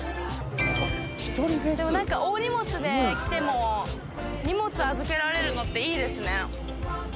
でも何か大荷物で来ても荷物預けられるのっていいですね